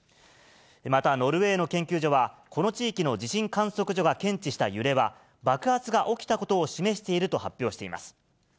またノルウェーの研究所は、この地域の地震観測所が検知した揺れは、爆発が起きたことを示していると発表しています。